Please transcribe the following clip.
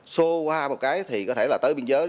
xô qua một cái thì có thể là tới biên giới